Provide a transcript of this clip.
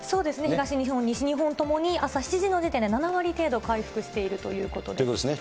東日本、西日本ともに朝７時の時点で７割程度、回復しているということでということですね。